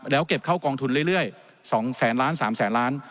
แล้วเก็บเข้ากองทุนเรื่อย๒๓แสนล้านบาท